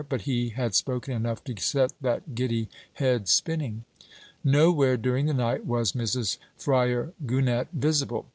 But he had spoken enough to set that giddy head spinning. Nowhere during the night was Mrs. Fryar Gannett visible.